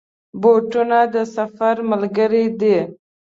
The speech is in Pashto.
بوټونه د سفر ملګري دي.